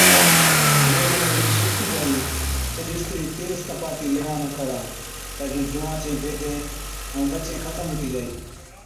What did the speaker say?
جين ليوين جِڏ سُوڪتِي جائِي تِڏ اِسترِي تيز تپاتِي ليوان نُون ڪرا تہ جُون جُونئان چين بيدين ائُون ٻچين ختم هُتِي جائِي۔